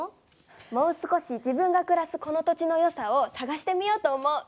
もう少し自分がくらすこの土地の良さをさがしてみようと思う！